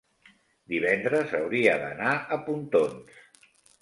divendres hauria d'anar a Pontons.